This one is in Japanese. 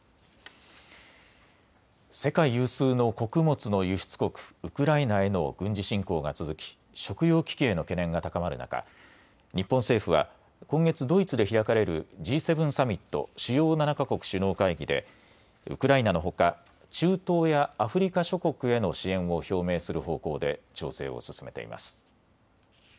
世界有数の穀物の輸出国、ウクライナへの軍事侵攻が続き食糧危機への懸念が高まる中、日本政府は今月ドイツで開かれるＧ７サミット・主要７か国首脳会議でウクライナのほか中東やアフリカ諸国への支援を表明する方向で調整を進めています。